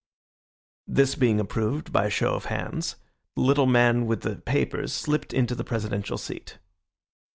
This being approved by a show of hands, the little man with the papers slipped into the presidential seat.